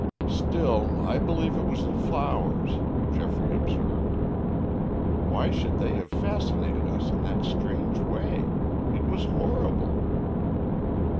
"Still, I believe it was the flowers," Geoffrey observed. "Why should they have fascinated us in that strange way? It was horrible!"